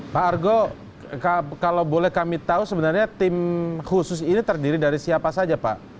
pak argo kalau boleh kami tahu sebenarnya tim khusus ini terdiri dari siapa saja pak